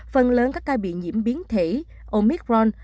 phần lớn các ca bị nhiễm biến thể omicron